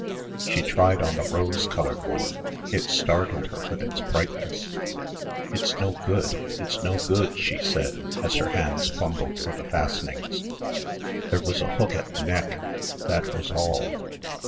She tried on the rose coloured one. It startled her with its brightness.... "It's no good, it's no good," she said, as her hands fumbled for the fastenings. There was a hook at the neck; that was all.